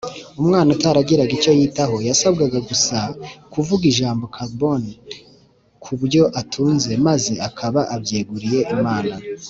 umwana utaragiraga icyo yitaho yasabwaga gusa kuvuga ijambo “corban” ku byo atunze, maze akaba abyeguriye imana